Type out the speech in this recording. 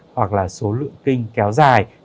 hoặc là số lượng kinh kéo dài